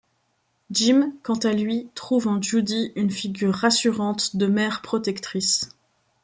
Jim, quant à lui, trouve en Judy une figure rassurante de mère protectrice.